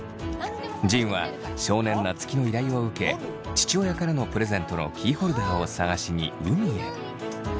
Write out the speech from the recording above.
仁は少年夏樹の依頼を受け父親からのプレゼントのキーホルダーを探しに海へ。